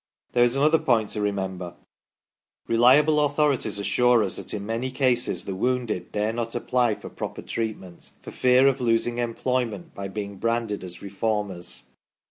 There is another point to remember. Reliable authorities assure us that in many cases the wounded dare not apply for proper treatment, for fear of losing employment by being branded as Reformers.